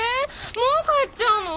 もう帰っちゃうの？